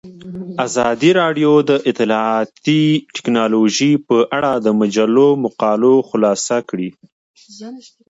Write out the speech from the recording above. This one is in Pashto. ازادي راډیو د اطلاعاتی تکنالوژي په اړه د مجلو مقالو خلاصه کړې.